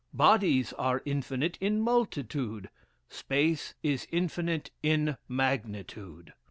Bodies are infinite in multitude; space is infinite in magnitude.